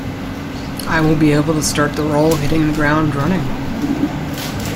I will be able to start the role hitting the ground running.